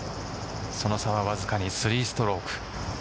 その差はわずかに３ストローク。